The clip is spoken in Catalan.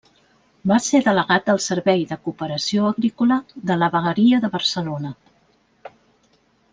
Va ser Delegat del Servei de Cooperació Agrícola de la Vegueria de Barcelona.